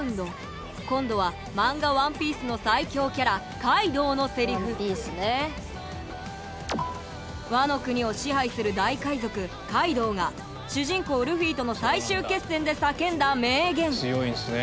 今度はマンガ「ＯＮＥＰＩＥＣＥ」の最恐キャラカイドウのセリフワノ国を支配する大海賊カイドウが主人公ルフィとの最終決戦で叫んだ名言